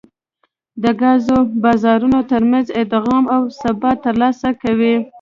د ګازو بازارونو ترمنځ ادغام او ثبات ترلاسه کوي